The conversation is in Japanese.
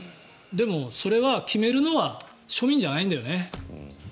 でもそれは、決めるのは庶民じゃないんだよね。